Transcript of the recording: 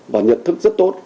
và nhận thức rất tốt